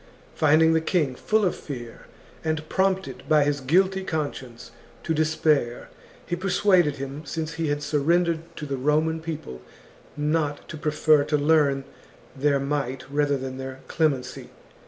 Finding the king full of fear, and prompted by his guilty conscience to despair, he persuaded him, since he had surrendered to the Roman people, not to prefer to learn their might rather than their clemency.